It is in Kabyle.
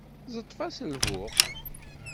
Ẓeṭṭef-as lbuq.